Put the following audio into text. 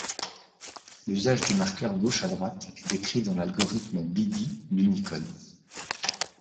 L'usage du marqueur gauche-à-droite est décrit dans l'algorithme BiDi d’Unicode.